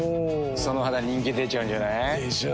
その肌人気出ちゃうんじゃない？でしょう。